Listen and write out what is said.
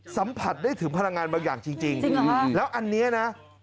สัมผัสได้ถึงพลังงานบางอย่างจริงแล้วอันนี้นะ